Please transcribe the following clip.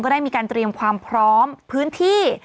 ได้มีการเตรียมความพร้อมพื้นที่